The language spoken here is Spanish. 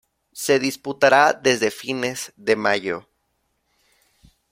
Se disputará desde fines de Mayo.